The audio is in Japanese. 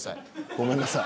ごめんなさい。